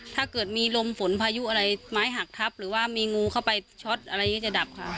ถ้าเกิดมีลมฝนพายุอะไรไม้หักทับหรือว่ามีงูเข้าไปช็อตอะไรอย่างนี้จะดับค่ะ